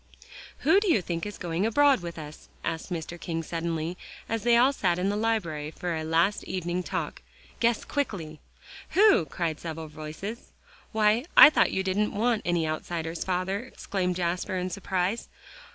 "Who do you think is going abroad with us?" asked Mr. King suddenly, as they all sat in the library for a last evening talk; "guess quickly." "Who?" cried several voices. "Why, I thought you didn't want any outsiders, father," exclaimed Jasper in surprise.